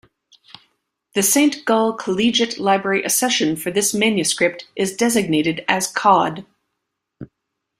The Saint Gall Collegiate Library Accession for this manuscript is designated as Cod.